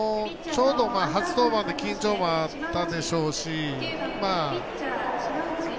ちょうど初登板の緊張もあったでしょうし。